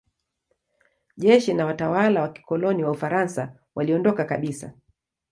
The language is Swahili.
Jeshi na watawala wa kikoloni wa Ufaransa waliondoka kabisa.